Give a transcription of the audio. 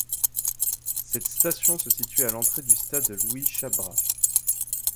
Cette station se situe à l'entrée du stade Louis-Chabrat.